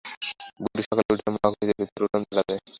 বুড়ি সকালে উঠিয়া মহা খুশীতে ভিতর উঠান ঝাঁট দেয়।